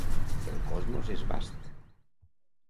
El cosmos és vast.